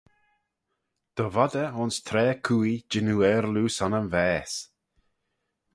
Dy vod eh ayns traa cooie jannoo aarloo son yn vaase.